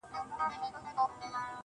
شراب نوشۍ کي مي له تا سره قرآن کړی دی.